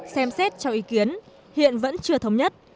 xem xét cho ý kiến hiện vẫn chưa thống nhất